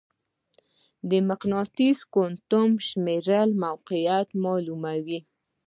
د مقناطیسي کوانټم شمېره موقعیت معلوموي.